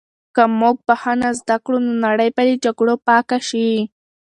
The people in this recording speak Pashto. که موږ بښنه زده کړو، نو نړۍ به له جګړو پاکه شي.